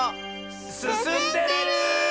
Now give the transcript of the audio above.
すすんでる！